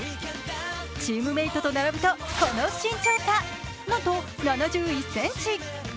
チームメイトと並ぶとこの身長差、なんと７１ｃｍ。